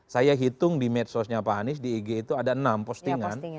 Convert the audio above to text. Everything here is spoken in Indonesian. saya hitung di medsosnya pak anies di ig itu ada enam postingan